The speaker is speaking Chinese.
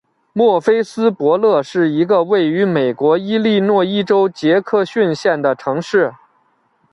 莫菲斯伯勒是一个位于美国伊利诺伊州杰克逊县的城市。